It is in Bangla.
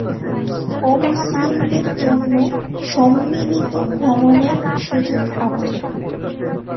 অমুসলিমদের জন্য সম্মিলিত ভ্রমণের সুযোগ আছে।